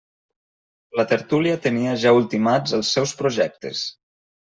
La tertúlia tenia ja ultimats els seus projectes.